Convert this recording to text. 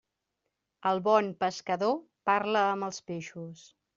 El bon pescador parla amb els peixos.